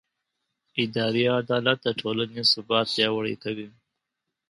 اداري عدالت د ټولنې ثبات پیاوړی کوي.